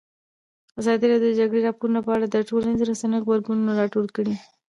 ازادي راډیو د د جګړې راپورونه په اړه د ټولنیزو رسنیو غبرګونونه راټول کړي.